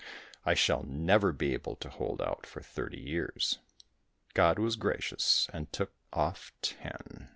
I shall never be able to hold out for thirty years." God was gracious and took off ten.